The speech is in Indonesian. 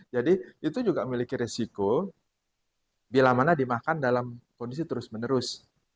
jadi itu juga memiliki risiko bila mana dimakan dalam kondisi terus menerus